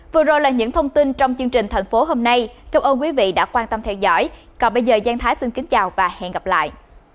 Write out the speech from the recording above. vừa rồi là những thông tin trong chương trình thành phố hôm nay cảm ơn quý vị đã quan tâm theo dõi còn bây giờ giang thái xin kính chào và hẹn gặp lại